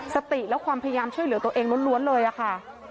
สติและความพยายามช่วยเหลือตัวเองล้วนเลยอะค่ะ